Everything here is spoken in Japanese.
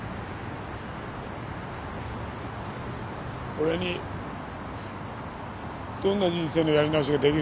俺にどんな人生のやり直しができるって言うんだよ。